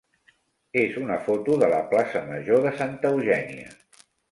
és una foto de la plaça major de Santa Eugènia.